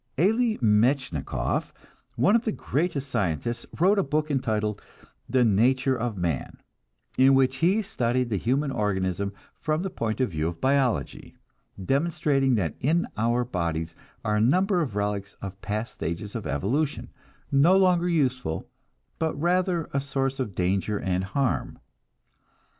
Elie Metchnikoff, one of the greatest of scientists, wrote a book entitled "The Nature of Man," in which he studied the human organism from the point of view of biology, demonstrating that in our bodies are a number of relics of past stages of evolution, no longer useful, but rather a source of danger and harm.